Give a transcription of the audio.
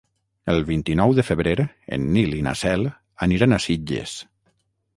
El vint-i-nou de febrer en Nil i na Cel aniran a Sitges.